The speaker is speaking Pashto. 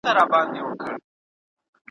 ډېر پخوا د نیل د سیند پر پوري غاړه `